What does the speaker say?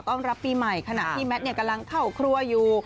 รับปีใหม่ขณะที่แมทกำลังเข้าครัวอยู่